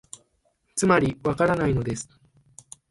つまり、わからないのです